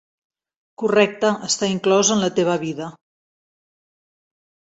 Correcte, està inclòs en la teva vida.